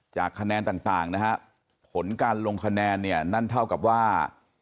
คะแนนต่างนะฮะผลการลงคะแนนเนี่ยนั่นเท่ากับว่า